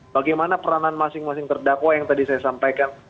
bagaimana peranan masing masing terdakwa yang tadi saya sampaikan